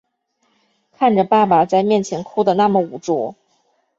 看着爸爸在面前哭的那么无助